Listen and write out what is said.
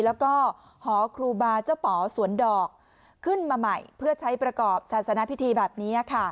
แล้วก็หอครูบาเจ้าป๋อสวนดอกขึ้นมาใหม่เพื่อใช้ประกอบศาสนพิธีแบบนี้ค่ะ